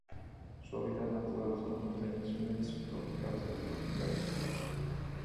Su hábitat natural son: montañas húmedas subtropicales o tropicales